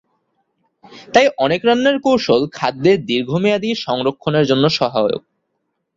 তাই অনেক রান্নার কৌশল খাদ্যের দীর্ঘমেয়াদী সংরক্ষণের জন্য সহায়ক।